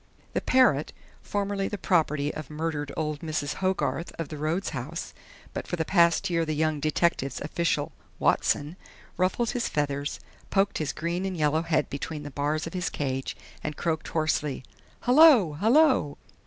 The parrot, formerly the property of murdered old Mrs. Hogarth of the Rhodes House, but for the past year the young detective's official "Watson," ruffled his feathers, poked his green and yellow head between the bars of his cage and croaked hoarsely: "Hullo! Hullo!"